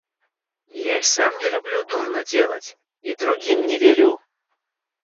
Я и сам не люблю дурно делать и другим не велю.